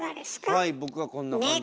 はい僕はこんな感じです。